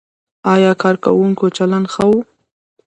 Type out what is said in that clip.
ایا کارکوونکو چلند ښه و؟